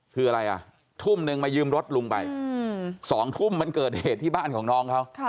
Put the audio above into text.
คืออะไรอ่ะทุ่มนึงมายืมรถลุงไป๒ทุ่มมันเกิดเหตุที่บ้านของน้องเขา